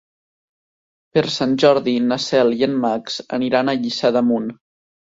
Per Sant Jordi na Cel i en Max aniran a Lliçà d'Amunt.